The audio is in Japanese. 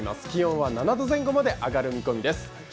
気温は、７度前後まで上がる見込みです。